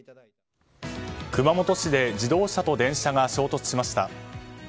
熊本市で自動車と電車が衝突しました。